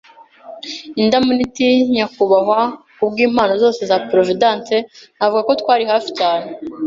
indamunite, nyakubahwa, kubwimpano zose za Providence, navuga ko twari hafi cyane